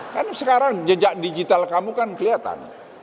karena sekarang jejak digital kamu kan kelihatan